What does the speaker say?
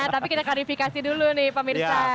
tapi kita klarifikasi dulu nih pemirsa